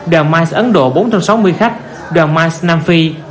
đoàn mice ấn độ bốn trăm sáu mươi khách đoàn mice nam phi